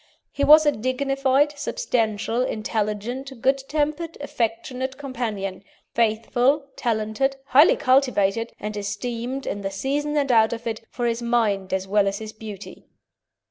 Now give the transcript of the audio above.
He was a dignified, substantial, intelligent, good tempered, affectionate companion, faithful, talented, highly cultivated, and esteemed, in the season and out of it, for his mind as well as his beauty.